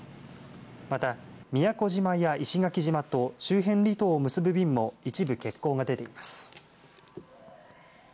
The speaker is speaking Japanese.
また宮古島や石垣島と周辺離島を結ぶ便も一部欠航が出ています。